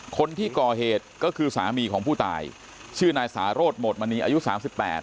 คนที่ก่อเหตุก็คือสามีของผู้ตายชื่อนายสารสหมดมณีอายุสามสิบแปด